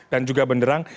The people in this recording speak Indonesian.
dan juga benderang